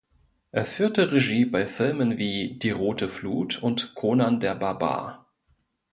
Er führte Regie bei Filmen wie "Die rote Flut" und "Conan der Barbar".